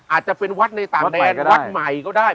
อาจจะเป็นวัดในต่างแดนวัดใหม่ก็ได้